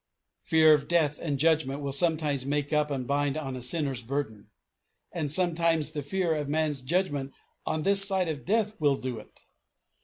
Fear of death and judgment will sometimes make up and bind on a sinner's burden; and sometimes the fear of man's judgment on this side of death will do it.